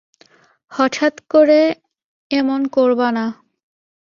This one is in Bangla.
হঠাৎ করে এমন করবা না।